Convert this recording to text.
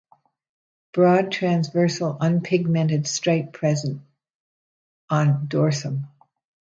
Broad transversal unpigmented stripe present on dorsum.